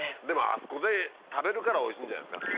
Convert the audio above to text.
あそこで食べるからおいしいんじゃないですか？